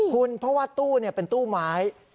คุณเพราะว่าตู้เป็นตู้ไม้